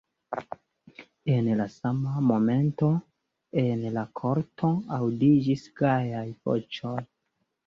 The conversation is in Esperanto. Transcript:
En la sama momento en la korto aŭdiĝis gajaj voĉoj.